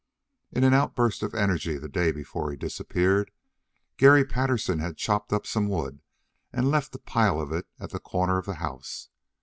In an outburst of energy the day before he disappeared Garry Patterson had chopped up some wood and left a pile of it at the corner of the house.